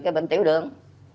cái bệnh tiểu đường